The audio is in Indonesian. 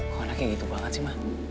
kok anaknya gitu banget sih mah